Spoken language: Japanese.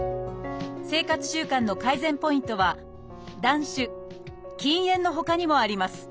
生活習慣の改善ポイントは「断酒」「禁煙」のほかにもあります。